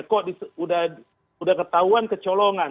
kok udah ketahuan kecolongan